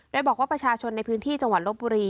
โดยบอกว่าประชาชนในพื้นที่จังหวัดลบบุรี